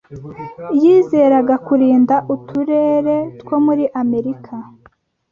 yizeraga kurinda uturere two muri amerika